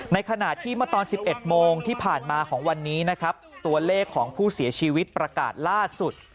ในขณะที่เมื่อตอน๑๑โมงที่ผ่านมาของวันนี้นะครับตัวเลขของผู้เสียชีวิตประกาศล่าสุด